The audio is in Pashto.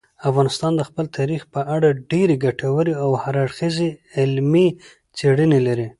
افغانستان د خپل تاریخ په اړه ډېرې ګټورې او هر اړخیزې علمي څېړنې لري.